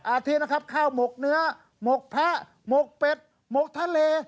อาทิตย์นะครับข้าวหมกเนื้อหมกแพะหมกเป็ดหมกทะเล